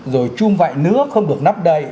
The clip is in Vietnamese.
rồi chum vại nước không được nắp đầy